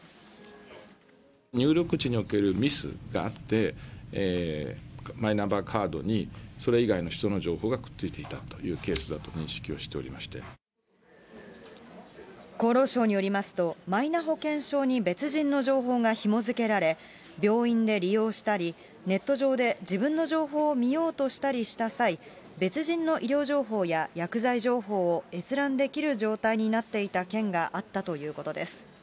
入力時におけるミスがあって、マイナンバーカードに、それ以外の人の情報がくっついていたというケースだと認識をして厚労省によりますと、マイナ保険証に別人の情報がひも付けられ、病院で利用したり、ネット上で自分の情報を見ようとしたりした際、別人の医療情報や薬剤情報を閲覧できる状態になっていた件があったということです。